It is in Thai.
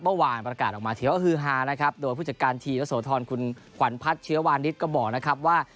เมื่อวานประกาศออกมาถือว่าฮือฮานะครับโดยผู้จัดการทีมยะโสธรคุณขวัญพัฒน์เชื้อวานิดก็บอกนะครับว่า